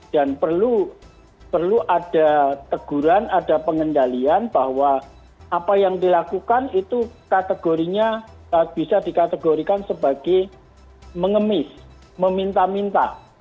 dan perlu ada teguran ada pengendalian bahwa apa yang dilakukan itu kategorinya bisa dikategorikan sebagai mengemis meminta minta